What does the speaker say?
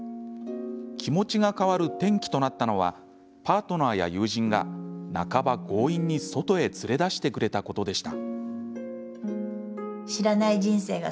気持ちが変わる転機となったのはパートナーや友人が半ば強引に外へ連れ出してくれたことでした。